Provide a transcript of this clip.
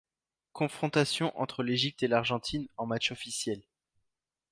Confrontations entre l'Égypte et l'Argentine en matchs officiels.